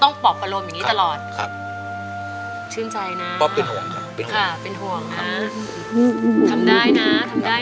ต้องเป็นประสบความสวัสดี